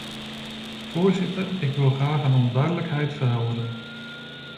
Voorzitter, ik wil graag een onduidelijkheid verhelderen.